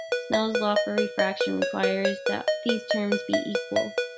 Snell's law for refraction requires that these terms be equal.